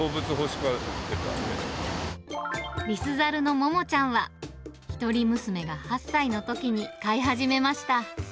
リスザルのモモちゃんは、一人娘が８歳のときに飼い始めました。